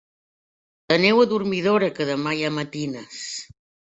Aneu a dormir d'hora, que demà hi ha matines.